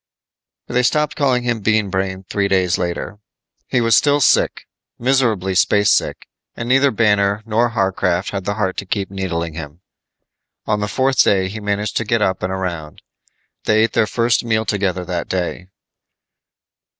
They stopped calling him Bean Brain three days later. He was still sick, miserably spacesick, and neither Banner nor Warcraft had the heart to keep needling him. On the fourth day he managed to get up and around. They ate their first meal together that day.